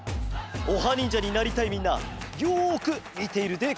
オハにんじゃになりたいみんなよくみているでござるよ！